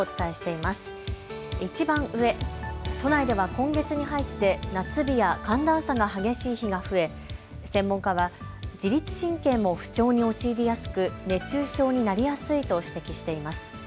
いちばん上、都内では今月に入って夏日や寒暖差が激しい日が増え専門家は自律神経も不調に陥りやすく熱中症になりやすいと指摘しています。